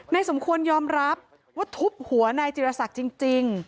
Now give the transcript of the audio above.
นายสมควรยอมรับว่าทุบหัวในจิรษัทจริง